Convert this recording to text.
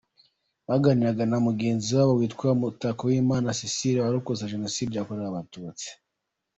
baganiraga na mugenzi wabo witwa Mutakowimana Cecile warokotse Jenoside yakorewe abatutsi